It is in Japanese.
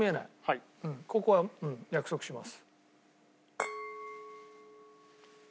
ここは約束します。